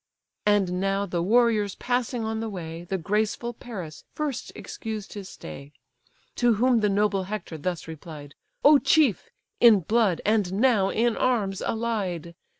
And now, the warriors passing on the way, The graceful Paris first excused his stay. To whom the noble Hector thus replied: "O chief! in blood, and now in arms, allied!